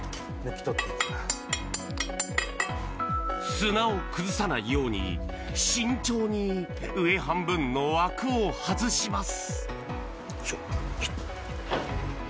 砂を崩さないように慎重に上半分の枠を外します。